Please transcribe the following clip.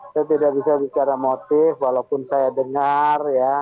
saya tidak bisa bicara motif walaupun saya dengar ya